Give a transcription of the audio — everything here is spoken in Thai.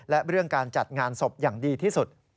และเรื่องการจัดงานศพอย่างดีที่สุด